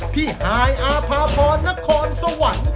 ฮายอาภาพรนครสวรรค์